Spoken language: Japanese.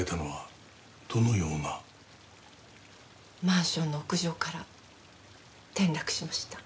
マンションの屋上から転落しました。